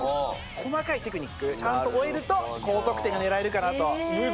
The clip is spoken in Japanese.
細かいテクニックちゃんと追えると高得点が狙えるかなと。